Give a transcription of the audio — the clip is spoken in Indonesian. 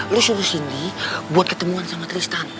lo suruh cindy buat ketemuan sama tristan